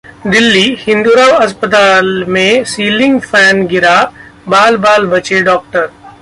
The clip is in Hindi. दिल्लीः हिंदूराव अस्पताल में सीलिंग फैन गिरा, बाल बाल बचे डॉक्टर